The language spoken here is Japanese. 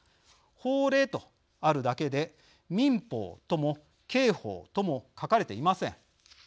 法令とあるだけで民法とも刑法とも書かれていません。